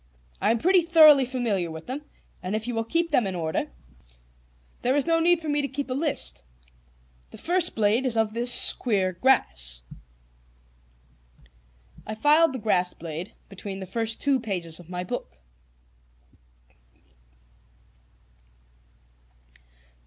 I am pretty thoroughly familiar with them, and if you will keep them in order, there is no need for me to keep a list. The first is a blade of this queer grass." I filed the grass blade between the first two pages of my book.